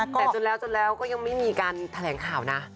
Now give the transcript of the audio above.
แต่จนแล้วจนแล้วก็ยังไม่มีการแถลงข่าวนะ